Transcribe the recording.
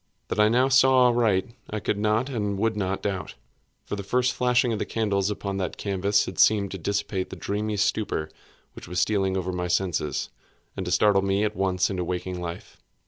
That I now saw aright I could not and would not doubt; for the first flashing of the candles upon that canvas had seemed to dissipate the dreamy stupor which was stealing over my senses, and to startle me at once into waking life.